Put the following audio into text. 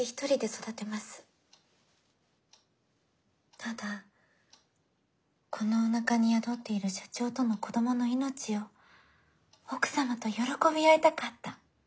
ただこのおなかに宿っている社長との子どもの命を奥様と喜び合いたかった。